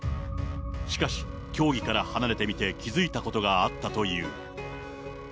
しかし、競技から離れてみて、気付いたことがあったという。